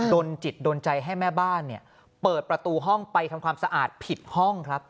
โดนจิตโดนใจให้แม่บ้านเปิดประตูห้องไปทำความสะอาดผิดห้องครับ